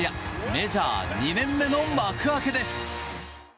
メジャー２年目の幕開けです。